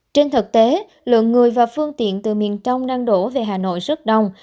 trên thực tế lượng người và phương tiện từ miền trung đang đổ về hà nội rất đông